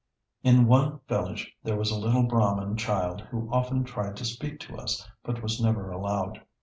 In one village there was a little Brahmin child who often tried to speak to us, but was never allowed.